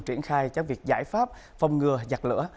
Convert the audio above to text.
triển khai cho việc giải pháp phòng ngừa giặc lửa